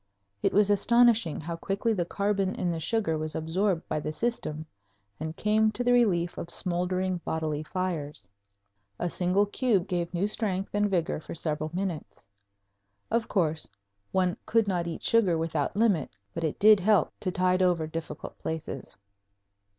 It was astonishing how quickly the carbon in the sugar was absorbed by the system and came to the relief of smoldering bodily fires. A single cube gave new strength and vigor for several minutes. Of course, one could not eat sugar without limit, but it did help to tide over difficult places.